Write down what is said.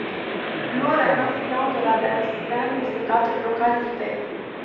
L'Our, un affluent de la Lesse, baigne ces quatre localités.